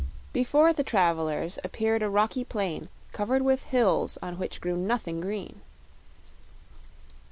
Before the travelers appeared a rocky plain covered with hills on which grew nothing green.